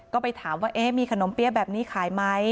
ก็ไปถามว่ามีขนมเปี้ยแบบนี้ขายไหม